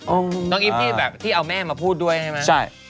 น้องอีฟที่แบบที่เอาแม่มาพูดด้วยใช่ไหมใช่